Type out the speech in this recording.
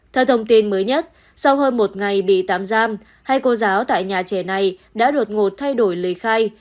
theo thông tin mới nhất sau hơn một ngày bị tạm giam hai cô giáo tại nhà trẻ này đã đột ngột thay đổi lời khai